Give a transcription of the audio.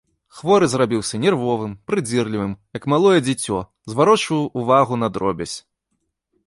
Хворы зрабіўся нервовым, прыдзірлівым, як малое дзіцё, зварочваў увагу на дробязь.